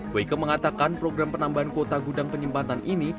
weike mengatakan program penambahan kuota gudang penyimpanan ini